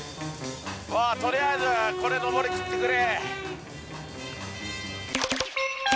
とりあえずこれ上り切ってくれ。